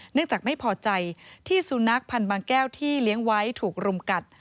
จากไม่พอใจที่สุนัขพันธ์บางแก้วที่เลี้ยงไว้ถูกรุมกัด